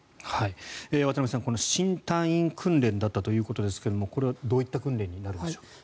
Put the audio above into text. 渡部さん新隊員訓練だったということですがこれはどういった訓練になるんでしょうか。